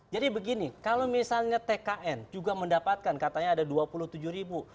jadi begini kalau misalnya tkn juga mendapatkan katanya ada dua puluh tujuh ribu